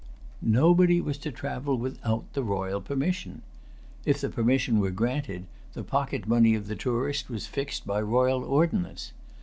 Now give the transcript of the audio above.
Nobody was to travel without the royal permission. If the permission were granted, the pocket money of the tourist was fixed by royal ordinance.